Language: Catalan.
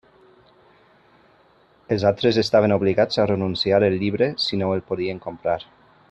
Els altres estaven obligats a renunciar al llibre si no el podien comprar.